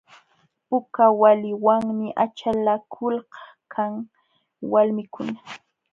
Puka waliwanmi achalakulkan walmikuna.